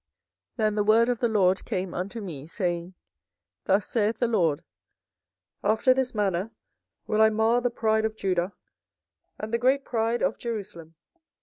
24:013:008 Then the word of the LORD came unto me, saying, 24:013:009 Thus saith the LORD, After this manner will I mar the pride of Judah, and the great pride of Jerusalem.